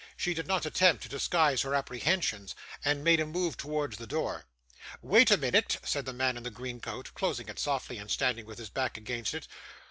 She did not attempt to disguise her apprehensions, and made a move towards the door. 'Wait a minnit,' said the man in the green coat, closing it softly, and standing with his back against it.